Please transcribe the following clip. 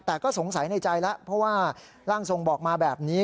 แต่ก็สงสัยในใจแล้วเพราะว่าร่างทรงบอกมาแบบนี้